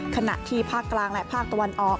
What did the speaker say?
ขณะที่ภาคกลางและภาคตะวันออก